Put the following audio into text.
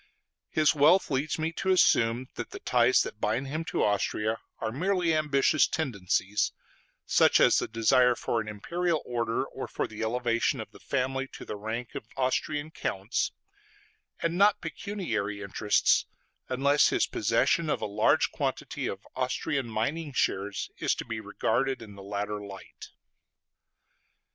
His wealth leads me to assume that the ties that bind him to Austria are merely ambitious tendencies such as the desire for an imperial order or for the elevation of the family to the rank of Austrian counts and not pecuniary interests, unless his possession of a large quantity of [Austrian] mining shares is to be regarded in the latter light.